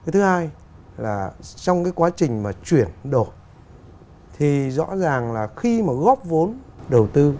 thứ hai là trong quá trình chuyển đồ thì rõ ràng là khi góp vốn đầu tư